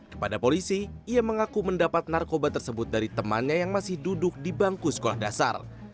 kepada polisi ia mengaku mendapat narkoba tersebut dari temannya yang masih duduk di bangku sekolah dasar